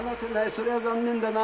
そりゃ残念だな。